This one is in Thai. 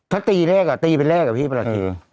ถ้าตีแรกหาตีเป็นแรกมีปรักษ์ขี่